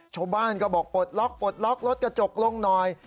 ชาวบ้านก็บอกปลดล๊อกลดกระจกลงหน่อย